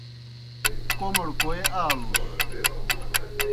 کوْمڑ کوئے آلُس؟